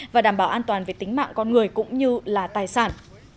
và đảm bảo an toàn về tính mạng con người cũng như là tài sản